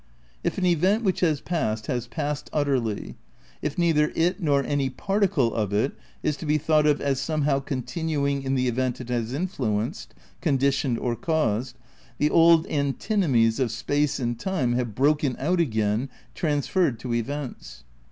If an event which has passed has passed utterly, if neither it nor any particle of it is to be thought of as somehow continuing in the event it has influenced, con ditioned or caused, the old antinomies of space and time have broken out again transferred to events.